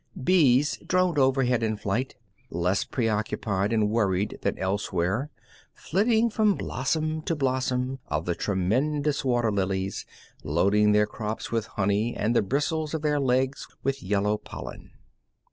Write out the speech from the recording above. Bees droned overhead in flight less preoccupied and worried than elsewhere flitting from blossom to blossom of the tremendous water lilies, loading their crops with honey and the bristles of their legs with yellow pollen.